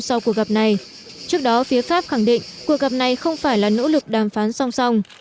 sau cuộc gặp này trước đó phía pháp khẳng định cuộc gặp này không phải là nỗ lực đàm phán song song